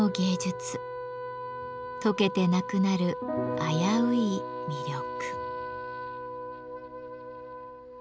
とけてなくなる危うい魅力。